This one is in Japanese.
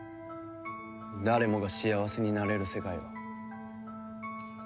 誰もが幸せになれる世界を。